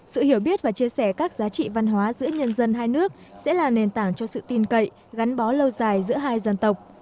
sự hiểu biết và chia sẻ các giá trị văn hóa giữa nhân dân hai nước sẽ là nền tảng cho sự tin cậy gắn bó lâu dài giữa hai dân tộc